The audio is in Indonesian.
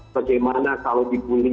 bagaimana kalau dibuli